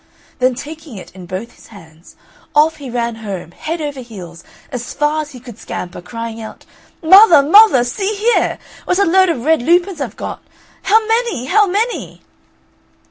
Then taking it in both his hands, off he ran home, head over heels, as far as he could scamper, crying out, "Mother, mother! see here! what a lot of red lupins I've got. How many! how many!"